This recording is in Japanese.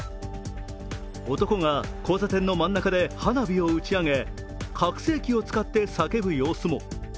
男が交差点の真ん中で花火を打ち上げ拡声器を使って叫ぶ様子も。